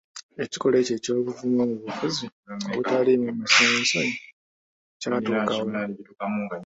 Ekikolwa ekyo eky'obuvumu mu bufuzi obutaliimu mansonyinsonyi kyatuuka wala.